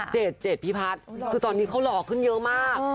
เจดเจดพี่พัทคือตอนนี้เขาหล่อขึ้นเยอะมาก